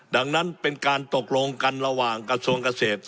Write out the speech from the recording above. ดังนั้นเป็นการตกลงกันระหว่างกระทรวงเกษตร